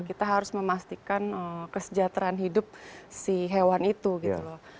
kita harus memastikan kesejahteraan hidup si hewan itu gitu loh